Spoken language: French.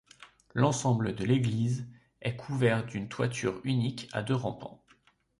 L'ensemble de l'église est couvert d'une toiture unique à deux rampants.